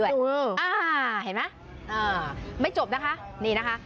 เห็นไหมไม่จบนะคะ